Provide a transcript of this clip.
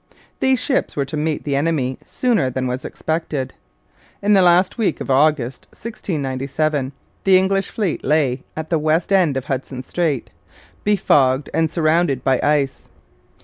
These ships were to meet the enemy sooner than was expected. In the last week of August 1697 the English fleet lay at the west end of Hudson Strait, befogged and surrounded by ice.